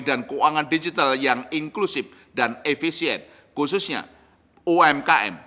dan keuangan digital yang inklusif dan efisien khususnya umkm